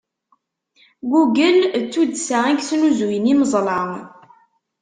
Google d tuddsa i yesnuzun imeẓla.